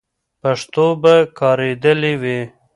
پښتو به کارېدلې وي.